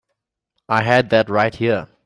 I had that right here.